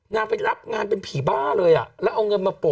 นางไปรับงานเป็นผีบ้าเลยอ่ะแล้วเอาเงินมาโป